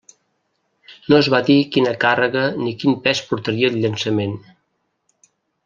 No es va dir quina càrrega ni quin pes portaria el llançament.